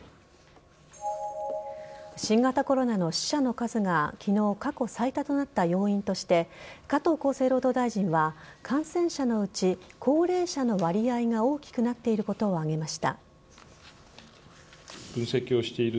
新型コロナの死者の数が昨日、最多となった要因として加藤厚生労働大臣は感染者のうち、高齢者の割合が大きくなっていることを挙げました。